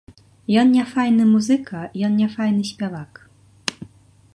Ён не файны музыка, ён не файны спявак.